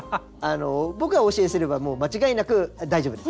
僕がお教えすればもう間違いなく大丈夫です。